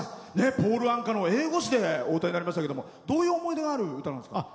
ポール・アンカの英語詞でお歌いになりましたけどどんな思い出のある歌なんですか？